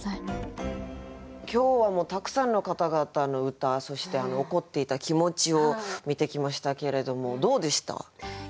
今日はもうたくさんの方々の歌そして怒っていた気持ちを見てきましたけれどもどうでした？